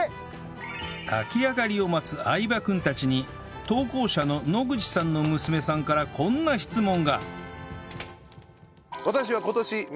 炊き上がりを待つ相葉君たちに投稿者の野口さんの娘さんからこんな質問が